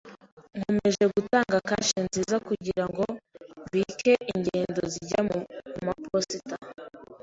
Nkomeje gutanga kashe nziza kugirango mbike ingendo zijya kumaposita.